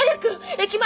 駅前！